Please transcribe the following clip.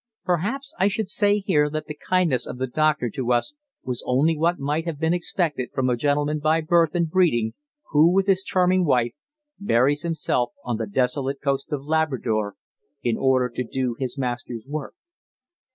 Perhaps I should say here that the kindness of the doctor to us was only what might have been expected from a gentleman by birth and breeding who, with his charming wife, buries himself on the desolate coast of Labrador, in order to do his Master's work.